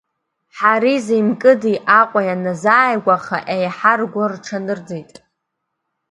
Ҳаризеи Мкыди Аҟәа ианазааигәаха, еиҳа ргәы рҽанырҵеит.